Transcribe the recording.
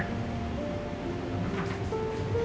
tadi dia mau bilang